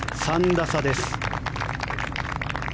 ３打差です。